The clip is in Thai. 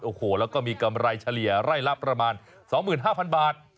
โอ้โหแล้วก็มีกำไรเฉลี่ยไร่ละประมาณ๒๕๐๐๐บาท